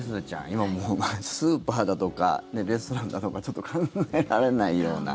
今、もうスーパーだとかレストランだとかちょっと考えられないような。